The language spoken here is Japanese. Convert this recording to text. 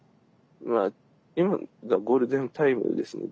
まあ今がゴールデンタイムですね。